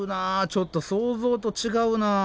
ちょっと想像と違うな。